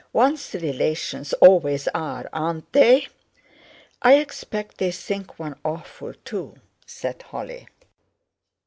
One's relations always are, aren't they?" "I expect they think one awful too," said Holly.